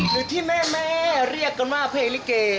หรือที่แม่เรียกกันว่าเพลงลิเก